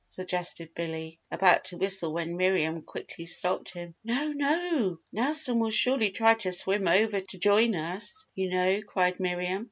suggested Billy, about to whistle when Miriam quickly stopped him. "No, no! Nelson will surely try to swim over to join us, you know!" cried Miriam.